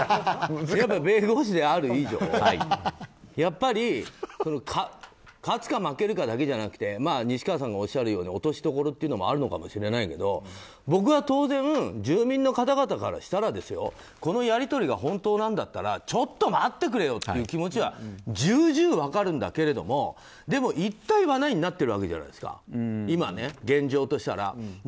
弁護士である以上やっぱり勝つか負けるかだけじゃなくて西川さんがおっしゃるように落としどころもあるのかもしれないけど僕は当然、住民の方々からしたらこのやり取りが本当なんだったらちょっと待ってくれよという気持ちは重々、分かるんだけどもでも言った、言わないになってるわけじゃないですか現状としたら。